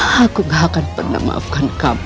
aku gak akan pernah maafkan kamu